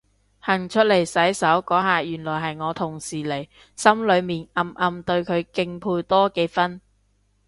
行出嚟洗手嗰下原來係我同事嚟，心裏面暗暗對佢敬佩多幾分